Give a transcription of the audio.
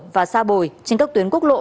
và xa bồi trên các tuyến quốc lộ